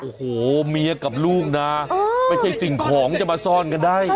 โอ้โหเมียกับลูกนะไม่ใช่สิ่งของจะมาซ่อนกันได้